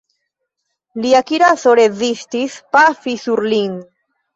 Lia kiraso rezistis pafi sur lin.